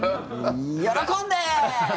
喜んで！